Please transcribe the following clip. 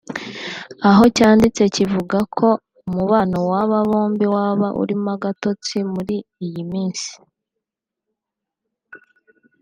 aho cyanditse kivuga ko umubano w’aba bombi waba urimo agatotsi muri iyi minsi